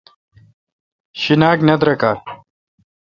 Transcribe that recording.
شیناک نہ درکالہ